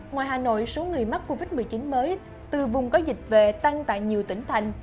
ngoài hà nội số người mắc covid một mươi chín mới từ vùng có dịch về tăng tại nhiều tỉnh thành